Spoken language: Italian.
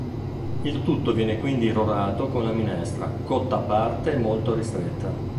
Il tutto viene quindi irrorato con la minestra, cotta a parte e molto ristretta.